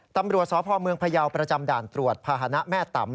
ตำรวจสมพยประจำด่านตรวจภาษณะแม่ตำ